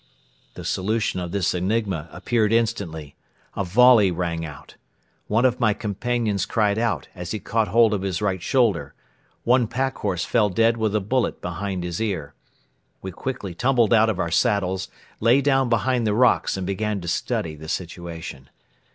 The solution of this enigma appeared instantly. A volley rang out. One of my companions cried out, as he caught hold of his right shoulder; one pack horse fell dead with a bullet behind his ear. We quickly tumbled out of our saddles, lay down behind the rocks and began to study the situation.